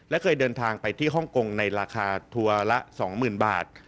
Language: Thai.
และเคยเดินทางไปที่ฮ่องกงในราคาทัวร์ละ๒๐๐๐บาท